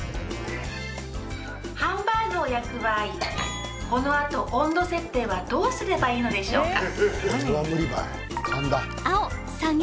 ハンバーグを焼く場合このあと温度設定はどうすればいいのでしょうか？